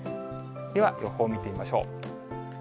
では、予報を見てみましょう。